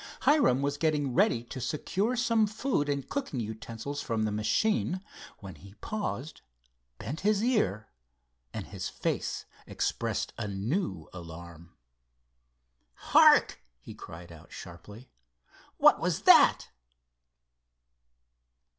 Hiram was getting ready to secure some food and cooking utensils from the machine, when he paused, bent his ear, and his face expressed a new alarm. "Hark!" he cried out sharply. "What was that?"